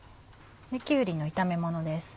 きゅうりの炒めものです